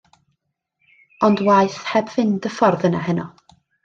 Ond waeth heb fynd y ffordd yna heno.